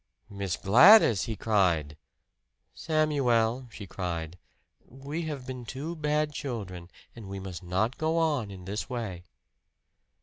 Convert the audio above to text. "Miss Gladys!" he cried. "Samuel," she said, "we have been two bad children; and we must not go on in this way."